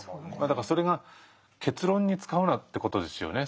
だからそれが結論に使うなってことですよね。